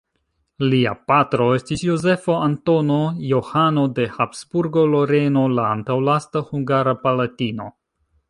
Lia patro estis Jozefo Antono Johano de Habsburgo-Loreno, la antaŭlasta hungara palatino.